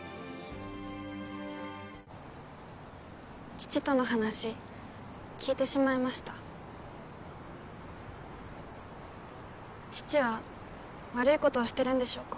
父との話聞いてしまいました父は悪いことをしてるんでしょうか？